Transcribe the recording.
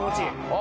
あ